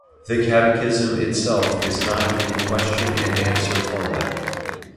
The "Catechism" itself is not in question-and-answer format.